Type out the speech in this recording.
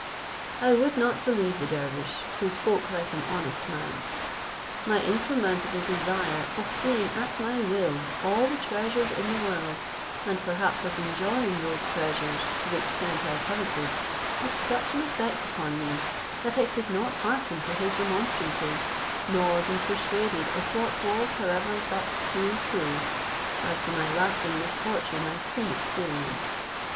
I would not believe the dervish, who spoke like an honest man. My insurmountable desire of seeing at my will all the treasures in the world and perhaps of enjoying those treasures to the extent I coveted, had such an effect upon me, that I could not hearken to his remonstrances, nor be persuaded of what was however but too true, as to my lasting misfortune I soon experienced.